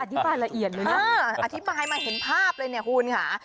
อธิบายละเอียดเลยนะอธิบายมาเห็นภาพเลยเนี่ยคุณค่ะ